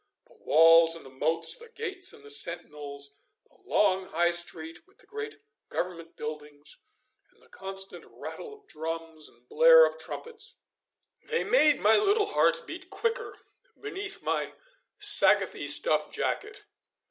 The walls and the moats, the gates and the sentinels, the long High Street with the great government buildings, and the constant rattle of drums and blare of trumpets; they made my little heart beat quicker beneath my sagathy stuff jacket.